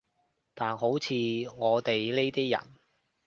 但好似我哋呢啲人